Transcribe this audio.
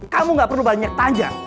kamu nggak perlu banyak tanya